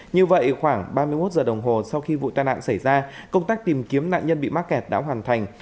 như vậy khoảng ba mươi một giờ đồng hồ sau khi vụ tai nạn xảy ra công tác tìm kiếm nạn nhân bị mắc kẹt đã hoàn thành